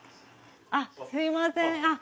あっすいません。